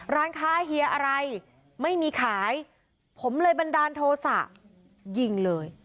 ร้านค้าเฮียอะไรไม่มีขายผมเลยบันดาลโทษะยิงเลย